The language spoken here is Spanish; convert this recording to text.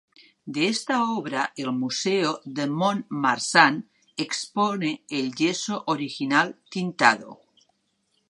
De esta obra el Museo de Mont-de-Marsan expone el yeso original tintado.